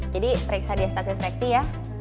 jadi periksa diastasis rekti ya